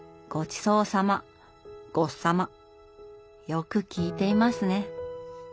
よく聞いていますね。